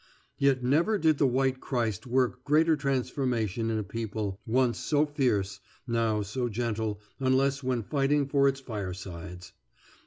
Yet never did the White Christ work greater transformation in a people, once so fierce, now so gentle unless when fighting for its firesides.